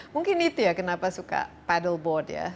mungkin itu ya kenapa suka paddle board ya